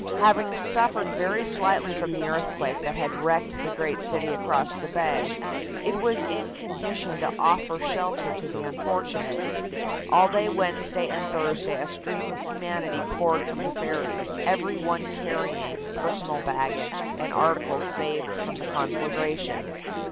Having suffered very slightly from the earthquake that had wrecked the great city across the bay, it was in condition to offer shelter to the unfortunate. All day Wednesday and Thursday a stream of humanity poured from the ferries, every one carrying personal baggage and articles saved from the conflagration.